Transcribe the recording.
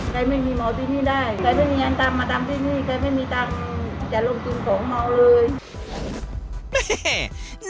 ไม่มีเมาที่นี่ได้ใครไม่มีงานทำมาทำที่นี่ใครไม่มีตังค์จะลงทุนของเมาเลย